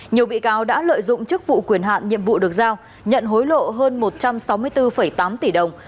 nhiều bị cáo đã lợi dụng chức vụ quyền hạn nhiệm vụ được giao nhận hối lộ hơn một trăm sáu mươi bốn tám tỷ đồng